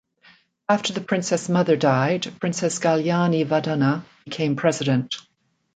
After the Princess Mother died, Princess Galyani Vadhana became President.